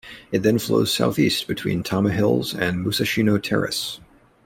It then flows southeast between Tama Hills and Musashino Terrace.